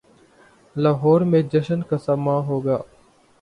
لاہور میں جشن کا سماں ہو گا۔